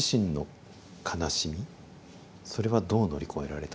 それはどう乗り越えられたんですか？